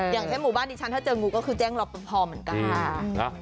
อย่างเช่นหมู่บ้านดิฉันถ้าเจองูก็คือแจ้งเราพอเหมือนกัน